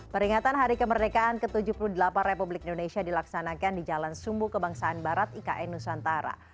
peringatan hari kemerdekaan ke tujuh puluh delapan republik indonesia dilaksanakan di jalan sumbu kebangsaan barat ikn nusantara